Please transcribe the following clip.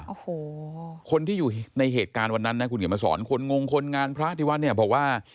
โอ้โหคนที่อยู่ในเหตุการณ์วันนั้นนะคุณเขียนมาสอนคนงงคนงานพระที่วัดเนี่ยบอกว่า